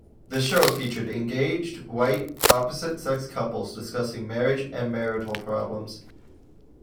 The show featured engaged white, opposite-sex couples discussing marriage and marital problems.